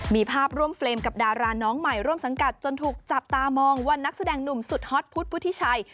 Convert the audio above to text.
มีภาพร่วมเฟรมกับดาราน้องใหม่ร่วมสังกัดจนถูกจับตามองว่านักแสดงหนุ่มสุดฮอตพุทธพุทธิชัย